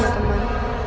aku harus punya teman